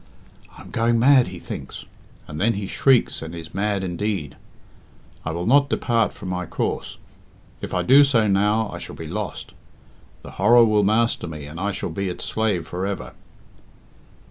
'I am going mad,' he thinks; and then he shrieks and is mad indeed. I will not depart from my course. If I do so now, I shall be lost. The horror will master me, and I shall be its slave for ever."